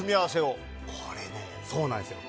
これ、そうなんですよ。